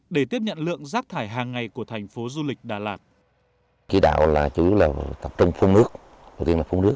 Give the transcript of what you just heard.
để tiếp nhận lượng rác thải hàng ngày của thành phố du lịch đà lạt